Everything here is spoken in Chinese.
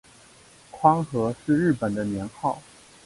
宽和是日本的年号。